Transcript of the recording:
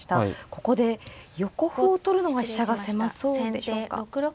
ここで横歩を取るのが飛車が狭そうでしょうか。